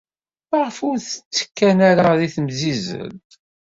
Maɣef ur ttekkan ara deg temsizzelt?